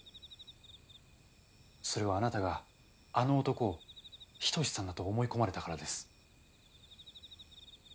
それはあなたがあの男を一さんだと思い込まれたからです。